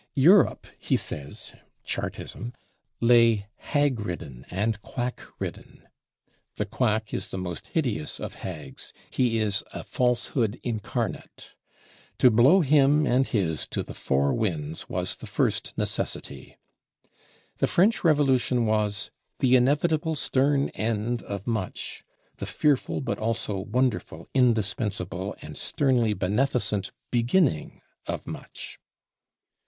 Europe, he says ('Chartism'), lay "hag ridden" and "quack ridden." The quack is the most hideous of hags; he is a "falsehood incarnate." To blow him and his to the four winds was the first necessity. The French Revolution was "the inevitable stern end of much: the fearful but also wonderful, indispensable, and sternly beneficent beginning of much."